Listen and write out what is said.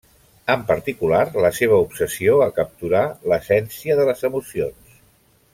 En particular, la seva obsessió a capturar l'essència de les emocions.